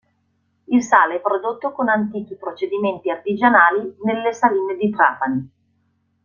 Il sale è prodotto con antichi procedimenti artigianali nelle saline di Trapani.